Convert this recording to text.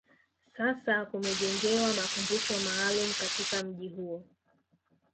sasa kumejengewa makumbusho maalum katika mji huo